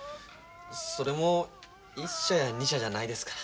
それも１社や２社じゃないですから。